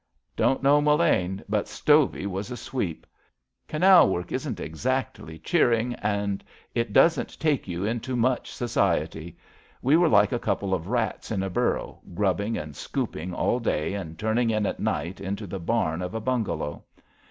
Don't know Mullane, but Stovey was a sweep. 118 ABAFT THE FUNNEL Canal work isn't exactly cheering, and it doesn't take you into much society. We were like a couple of rats in a burrow, grubbing and scooping all day and turning in at night into the bam of a bungalow.